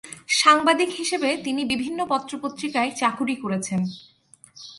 সাংবাদিক হিসেবে তিনি বিভিন্ন পত্র-পত্রিকায় চাকুরী করেছেন।